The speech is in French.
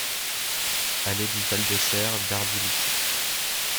Allée du Val de Serres, Dardilly